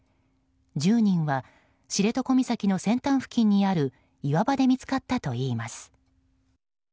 １０人は知床岬の先端付近にある岩場で見つかったといいます。